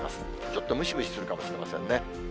ちょっとムシムシするかもしれませんね。